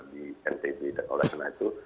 di ntb dan oleh karena itu